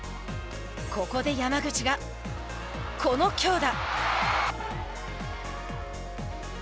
ここで山口が、この強打。